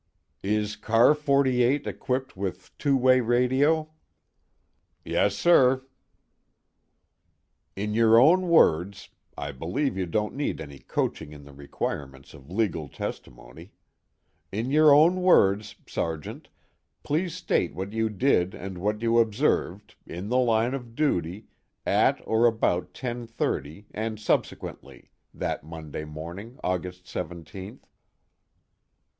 "Is Car 48 equipped with two way radio?" "Yes, sir." "In your own words I believe you don't need any coaching in the requirements of legal testimony in your own words, Sergeant, please state what you did and what you observed, in line of duty, at or about 10:30 and subsequently, that Monday morning, August 17th."